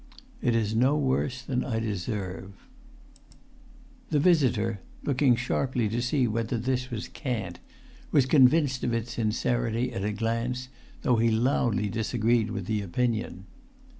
"It is no worse than I deserve." The visitor, looking sharply to see whether this was cant, was convinced of its sincerity at a glance, though he loudly disagreed with the opinion.